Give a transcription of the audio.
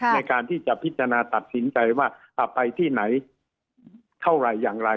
ในการที่จะพิจารณาตัดสินใจว่าไปที่ไหนเท่าไหร่อย่างไร